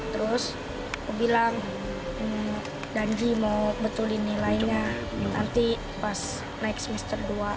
terus aku bilang janji mau betulin nilainya nanti pas naik semester dua